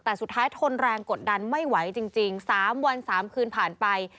แต่สุดท้ายทนแรงกดดันไม่ไหวจริง๓วัน๓คืนผ่านไป